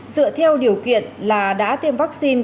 dựa theo điều kiện là đã tiêm vaccine